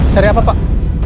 cari apa pak